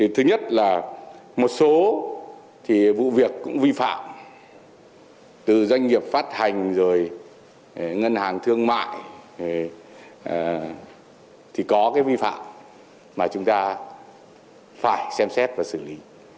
thứ nhất là một số vụ việc cũng vi phạm từ doanh nghiệp phát hành rồi ngân hàng thương mại thì có cái vi phạm mà chúng ta phải xem xét và xử lý